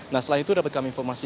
nah setelah itu dapatkan informasi